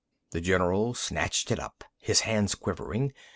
The general snatched it up, his hands quivering.